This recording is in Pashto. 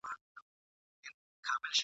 سل عزرائیل وشړم څوک خو به څه نه وايي !.